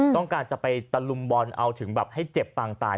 ต้องการจะไปตะลุมบอลเอาถึงแบบให้เจ็บปางตาย